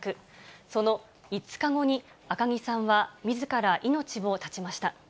その５日後に、赤木さんはみずから命を絶ちました。